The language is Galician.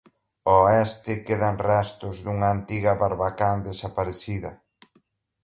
Ao oeste quedan restos dunha antiga barbacá desaparecida.